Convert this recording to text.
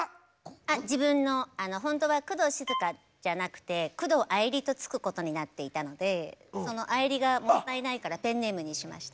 あ自分のホントは工藤静香じゃなくて工藤愛絵理と付くことになっていたのでその愛絵理がもったいないからペンネームにしました。